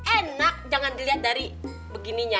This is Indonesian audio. enak jangan dilihat dari begininya